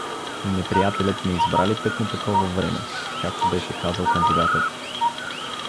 Неприятелят не избира ли тъкмо такова време, както беше казал кандидатът?